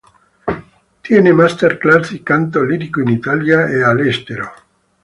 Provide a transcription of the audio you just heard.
Tiene Master Class di Canto Lirico in Italia e all'estero.